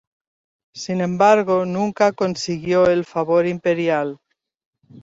Sin embargo, nunca consiguió el favor imperial.